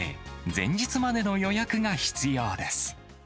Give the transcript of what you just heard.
前日までの予約が必要です。